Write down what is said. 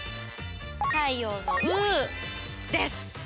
太陽の「う」です。